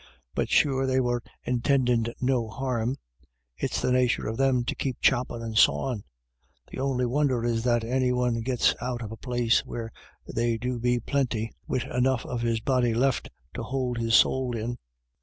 But sure they were intindin' no harm ; it's the nature of them to keep choppin' and sawin'. The on'y wonder is that any one gits out of a place 240 IRISH IDYLLS. where they do be plinty, wid enough of his body left him to hould his sowl in."